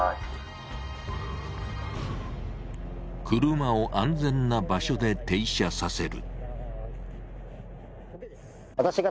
車を安全な場所で停車させる。